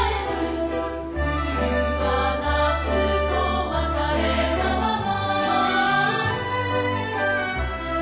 「冬は夏と別れたまま」